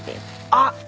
あっ！